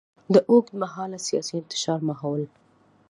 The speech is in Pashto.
د اوږدمهاله سیاسي انتشار ماحول.